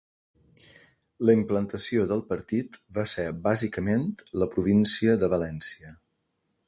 La implantació del partit va ser bàsicament la província de València.